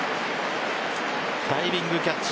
ダイビングキャッチ。